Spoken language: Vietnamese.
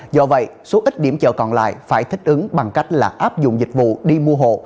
do vậy số ít điểm chợ còn lại phải thích ứng bằng cách là áp dụng dịch vụ đi mua hộ